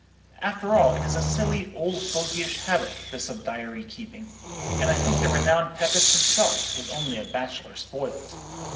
"After all, it is a silly, old fogeyish habit, this of diary keeping; and I think the renowned Pepys himself was only a bachelor spoiled.